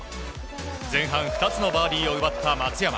前半２つのバーディーを奪った松山。